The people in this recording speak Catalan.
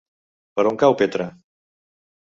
Per on cau Petra?